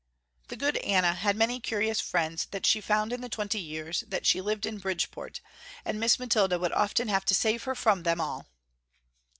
The good Anna had many curious friends that she had found in the twenty years that she had lived in Bridgepoint, and Miss Mathilda would often have to save her from them all.